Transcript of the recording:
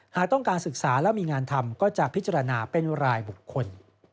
หากต้องการศึกษาและมีงานทำก็จะพิจารณาเป็นรายบุคคล